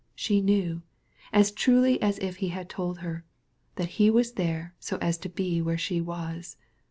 She knew as certainly as if he had told her that he was here to be where she was.